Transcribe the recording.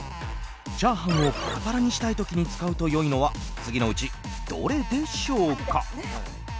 チャーハンをパラパラにしたい時に使うと良いのは次のうち、どれでしょうか？